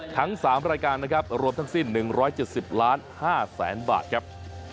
ทั้ง๓รายการนะครับรวมทั้งสิ้น๑๗๐ล้าน๕แสนบาทครับ